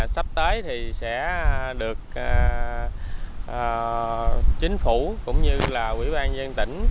sắp tới thì sẽ được chính phủ cũng như là quỹ ban dân tỉnh